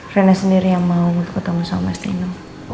reina sendiri yang mau ketemu sama mas dino